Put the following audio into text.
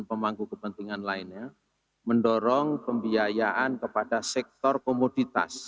pemangku kepentingan lainnya mendorong pembiayaan kepada sektor komoditas